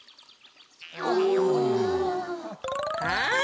はい。